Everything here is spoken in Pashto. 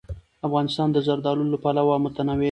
افغانستان د زردالو له پلوه متنوع دی.